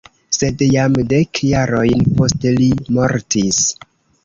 Sed jam dek jarojn poste li mortis.